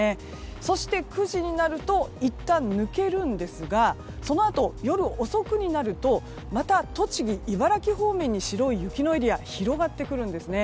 そして９時になるといったん抜けるんですがそのあと夜遅くになるとまた栃木、茨城方面に白い雪のエリア広がってくるんですね。